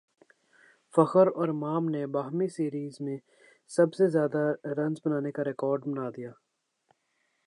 فخر اور امام نے باہمی سیریز میں سب سے زیادہ رنز بنانے کاریکارڈ بنادیا